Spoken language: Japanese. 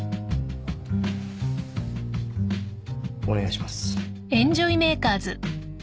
お願いします。